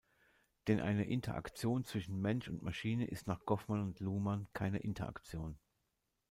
Denn eine Interaktion zwischen Mensch und Maschine ist nach Goffman und Luhmann "keine" Interaktion.